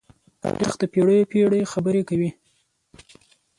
تاریخ د پېړيو پېړۍ خبرې کوي.